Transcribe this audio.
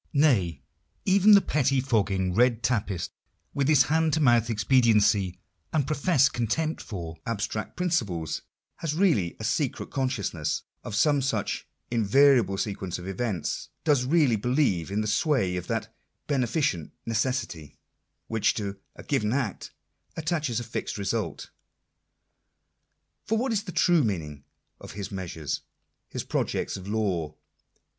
Nay, even the pettifogging red tapist, with his hand to mouth expediency, and professed contempt for " abstract prin ciples," has really a secret consciousness of some such in variable sequence of events — does really believe in the sway of that " beneficent necessity " which to a given act attaches a fixed result. For what is the true meaning of his "measures "— his " projects of law"